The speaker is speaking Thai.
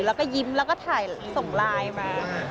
แล้วก็ยิ้มแล้วก็ถ่ายส่งไลน์มา